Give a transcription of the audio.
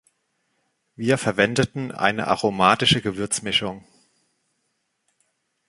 Wir verwendeten eine aromatische Gewürzmischung.